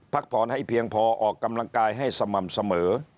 พักผ่อนให้เพียงพอออกกำลังกายให้สม่ำเสมอ